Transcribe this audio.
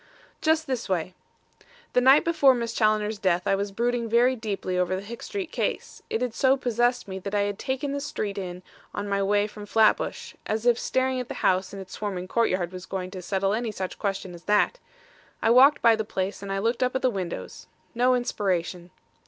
"Just this way. The night before Miss Challoner's death I was brooding very deeply over the Hicks Street case. It had so possessed me that I had taken this street in on my way from Flatbush; as if staring at the house and its swarming courtyard was going to settle any such question as that! I walked by the place and I looked up at the windows. No inspiration.